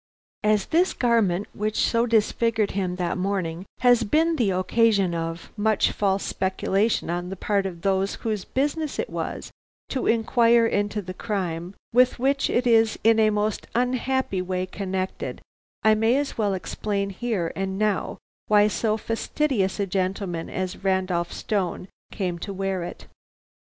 "As this garment which so disfigured him that morning has been the occasion of much false speculation on the part of those whose business it was to inquire into the crime with which it is in a most unhappy way connected, I may as well explain here and now why so fastidious a gentleman as Randolph Stone came to wear it.